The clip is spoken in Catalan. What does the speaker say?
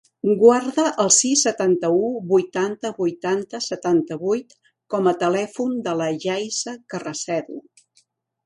Guarda el sis, setanta-u, vuitanta, vuitanta, setanta-vuit com a telèfon de la Yaiza Carracedo.